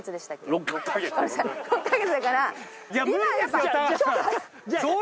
６ヵ月だから。